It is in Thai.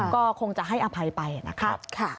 ก็คงจะให้อภัยไปนะครับ